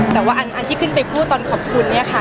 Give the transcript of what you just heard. แต่ว่าอันที่ขึ้นไปพูดตอนขอบคุณเนี่ยค่ะ